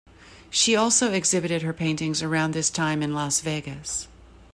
She also exhibited her paintings around this time in Las Vegas.